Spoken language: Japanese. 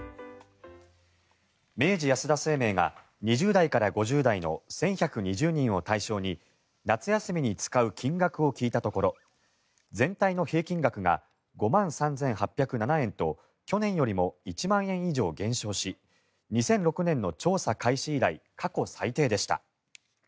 明治安田生命が２０代から５０代の１１２０人を対象に夏休みに使う金額を聞いたところ全体の平均額が５万３８０７円と去年よりも１万円以上減少し２００６年の調査開始以来過去最低でした。